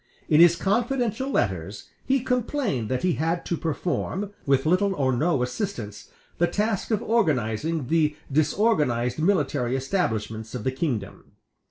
In his confidential letters he complained that he had to perform, with little or no assistance, the task of organizing the disorganized military establishments of the kingdom.